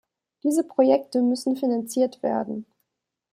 Diese Projekte müssen finanziert werden.